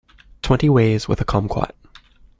Twenty ways with a kumquat.